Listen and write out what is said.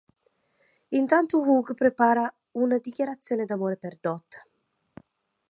Intanto Hugh prepara una dichiarazione d'amore per Dot.